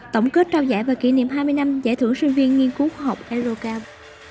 tổng kết trao giải và kỷ niệm hai mươi năm giải thưởng sinh viên nghiên cứu học eurocamp